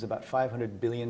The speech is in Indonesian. sekitar lima ratus juta dolar